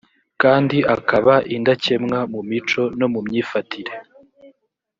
kandi akaba indakemwa mu mico no mu myifatire